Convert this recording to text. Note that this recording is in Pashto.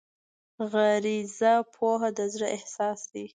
غریزي پوهه د زړه احساس دی.